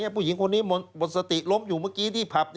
ผู้หญิงคนนี้หมดสติล้มอยู่เมื่อกี้ที่ผับ